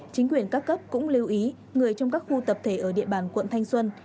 chính quyền các cấp cũng lưu ý người trong các khu tập thể ở địa bàn quận thanh xuân